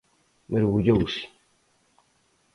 Mergullouse.